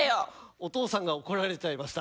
お父さんが怒られちゃいました。